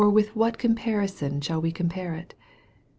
or with what comparison shall we com pare it